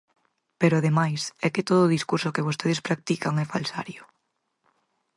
Pero, ademais, é que todo o discurso que vostedes practican é falsario.